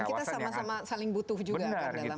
dan kita sama sama saling butuh juga kan dalam hal itu